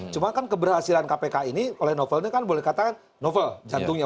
cuma kan keberhasilan kpk ini oleh novel ini kan boleh katakan novel jantungnya